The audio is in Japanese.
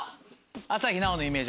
朝日奈央のイメージ